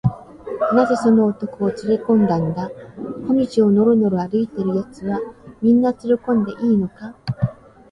「なぜその男をつれこんだんだ？小路をのろのろ歩いているやつは、みんなつれこんでいいのか？」